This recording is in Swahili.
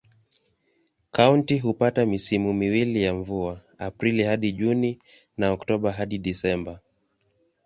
Kaunti hupata misimu miwili ya mvua: Aprili hadi Juni na Oktoba hadi Disemba.